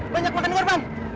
banyak makan warman